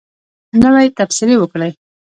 نوی تبصرې وکړئ